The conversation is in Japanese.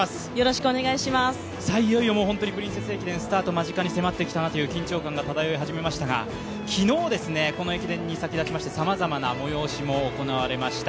いよいよプリンセス駅伝スタート間近に迫ってきたなという緊張感が漂いましたが、昨日、この駅伝に先立ちまして、さまざまな催しが行われました。